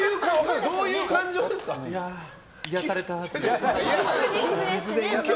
癒やされたっていう。